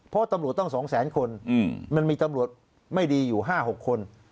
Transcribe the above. เพราะตำรวจต้อง๒แสนคนมันมีตำรวจไม่ดีอยู่๕๖คน